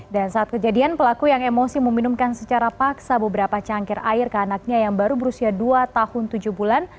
dan saat kejadian pelaku yang emosi meminumkan secara paksa beberapa cangkir air ke anaknya yang baru berusia dua tahun tujuh bulan